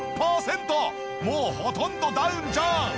もうほとんどダウンじゃん！